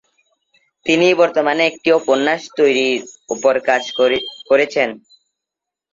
তিনি বর্তমানে একটি উপন্যাস ত্রয়ীর উপর কাজ করছেন।